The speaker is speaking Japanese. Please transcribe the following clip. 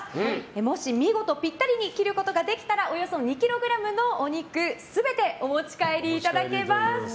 もし、見事ぴったりに切ることができたらおよそ２ｋｇのお肉全てお持ち帰りいただけます。